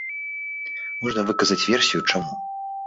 Можна выказаць версію, чаму.